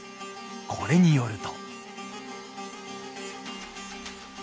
これによると。